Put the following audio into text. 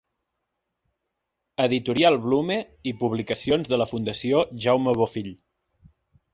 Editorial Blume i Publicacions de la Fundació Jaume Bofill.